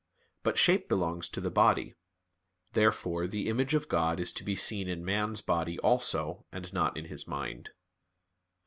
But shape belongs to the body. Therefore the image of God is to be seen in man's body also, and not in his mind.